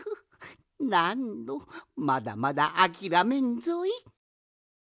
なんのまだまだあきらめんぞい！